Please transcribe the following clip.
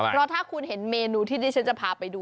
เพราะถ้าคุณเห็นเมนูที่ดิฉันจะพาไปดู